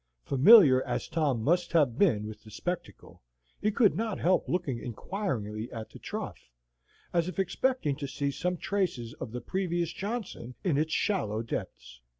Familiar as Tom must have been with the spectacle, he could not help looking inquiringly at the trough, as if expecting to see some traces of the previous Johnson in its shallow depths.